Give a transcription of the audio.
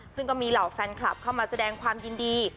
ซึ่งก็มีเหล่าแฟนคลับเข้ามาแสดงความยินดี